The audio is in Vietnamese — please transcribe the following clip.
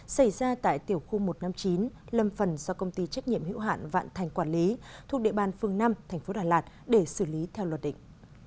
xảy ra tại tiểu khu một trăm năm mươi chín lâm phần do công ty trách nhiệm hữu hạn vạn thành quản lý thuộc địa bàn phương năm tp đà lạt để xử lý theo luật định